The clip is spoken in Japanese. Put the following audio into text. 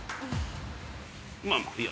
まあまあいいや。